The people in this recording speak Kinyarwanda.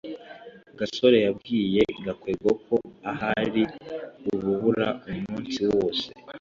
gasore yabwiye gakwego ko ahari urubura umunsi wose